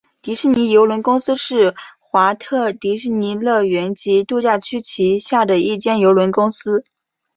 迪士尼邮轮公司是华特迪士尼乐园及度假区旗下的一间邮轮公司。